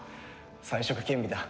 才色兼備だ。